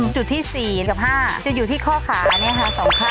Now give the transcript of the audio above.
จุดที่๔กับ๕จะอยู่ที่ข้อขา๒ข้าง